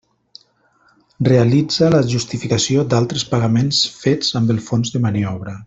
Realitza la justificació d'altres pagaments fets amb el fons de maniobra.